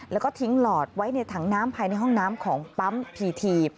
แล้วก็ทิ้งหลอดไว้ในถังน้ำภายในห้องน้ำของปั๊มพีที